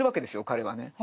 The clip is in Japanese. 彼はね。